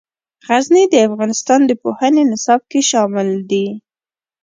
غزني د افغانستان د پوهنې نصاب کې شامل دي.